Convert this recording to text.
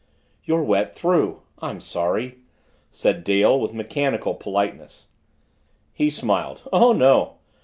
"You're wet through I'm sorry," said Dale with mechanical politeness. He smiled. "Oh, no."